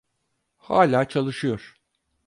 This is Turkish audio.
Hala çalışıyor.